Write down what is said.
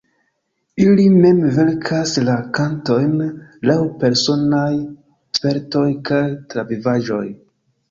Ili mem verkas la kantojn, laŭ personaj spertoj kaj travivaĵoj.